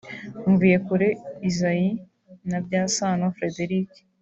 Mvuyekure Isaie na Byasano Frederic